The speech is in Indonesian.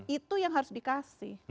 itu yang harus dikasih